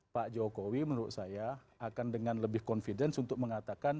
pak jokowi menurut saya akan dengan lebih confidence untuk mengatakan